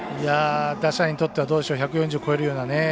打者にとっては１４０を超えるようなね。